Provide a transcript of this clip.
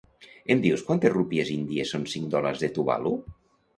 Em dius quantes rúpies índies són cinc dòlars de Tuvalu?